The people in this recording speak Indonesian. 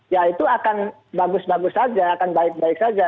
ya itu akan bagus bagus saja akan baik baik saja